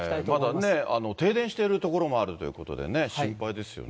まだね、停電してる所もあるということでね、心配ですよね。